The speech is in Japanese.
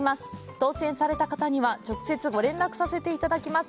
当せんされた方には、直接ご連絡させていただきます。